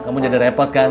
kamu jadi repot kan